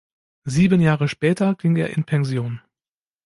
Sieben Jahre später ging er in Pension.